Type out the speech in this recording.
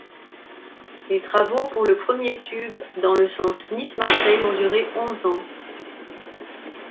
Les travaux pour le premier tube dans le sens Nice-Marseille ont duré onze ans.